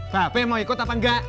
tapi mau ikut apa enggak